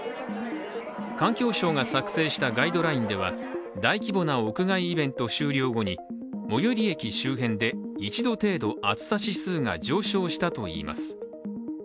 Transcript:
環境省が作成したガイドラインでは大規模な屋外イベント終了後に最寄り駅周辺で１度程度、暑さ指数が上昇したといいます。